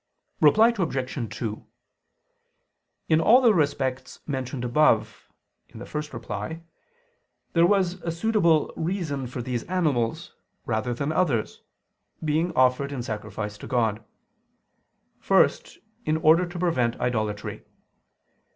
Reply Obj. 2: In all the respects mentioned above (ad 1), there was a suitable reason for these animals, rather than others, being offered in sacrifice to God. First, in order to prevent idolatry.